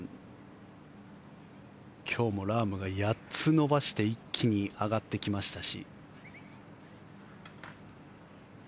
今日もラームが８つ伸ばして一気に上がってきましたし。